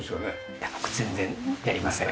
いや僕全然やりません。